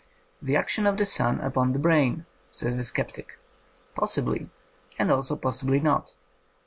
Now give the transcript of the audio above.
*' The action of the sun upon the brain, '' says the sceptic. Possibly — and also possibly not.